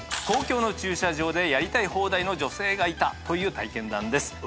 公共の駐車場でやりたい放題の女性がいたという体験談です。